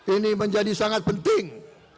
ini menjadi sangat penting